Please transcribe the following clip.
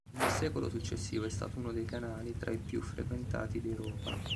Nel secolo successivo è stato uno dei canali tra i più frequentati d'Europa.